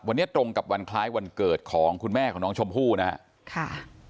วันนี้ตรงกับวันคล้ายวันเกิดของคุณแม่ของน้องชมพู่นะฮะค่ะ